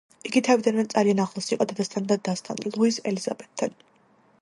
იგი თავიდანვე ძალიან ახლოს იყო დედასთან და დასთან, ლუიზ ელიზაბეტთან.